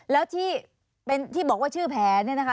แล้วที่บอกว่าชื่อแผนเนี่ยนะคะ